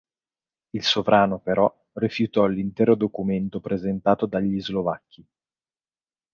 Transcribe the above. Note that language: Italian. Il sovrano però rifiutò l'intero documento presentato dagli Slovacchi.